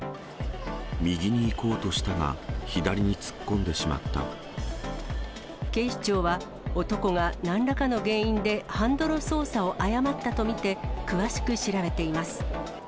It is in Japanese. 右に行こうとしたが、左に突警視庁は、男がなんらかの原因でハンドル操作を誤ったと見て、詳しく調べています。